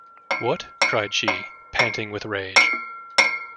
“What!” cried she, panting with rage.